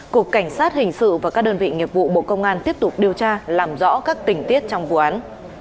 cục cảnh sát hình sự và các đơn vị nghiệp vụ bộ công an tiếp tục điều tra làm rõ các tình tiết trong vụ án